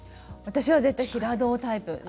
私は絶対に平胴タイプ。